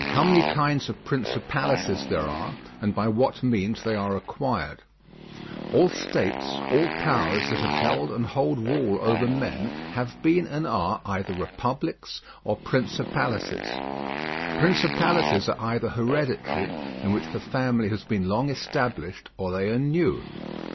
HOW MANY KINDS OF PRINCIPALITIES THERE ARE, AND BY WHAT MEANS THEY ARE ACQUIRED All states, all powers, that have held and hold rule over men have been and are either republics or principalities. Principalities are either hereditary, in which the family has been long established; or they are new.